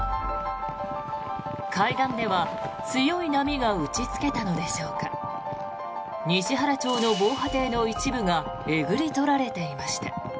海岸では強い波が打ちつけたのでしょうか西原町の防波堤の一部がえぐり取られていました。